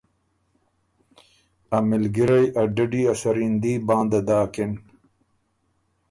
ا مِلګِرئ ا ډډی ا سریندي بانده داکِن۔